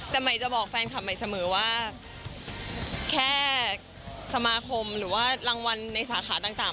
แต่ใหม่จะบอกแฟนคลับใหม่เสมอว่าแค่สมาคมหรือว่ารางวัลในสาขาต่าง